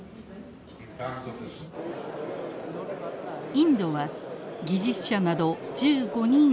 インドは技術者など１５人を派遣。